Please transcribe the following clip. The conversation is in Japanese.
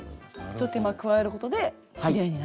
ひと手間加えることできれいになる。